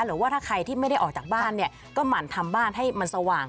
หรือว่าถ้าใครที่ไม่ได้ออกจากบ้านเนี่ยก็หมั่นทำบ้านให้มันสว่าง